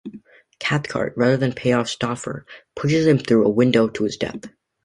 Cathcart, rather than pay off Stauffer, pushes him through a window to his death.